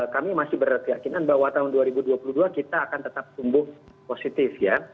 kami masih berkeyakinan bahwa tahun dua ribu dua puluh dua kita akan tetap tumbuh positif ya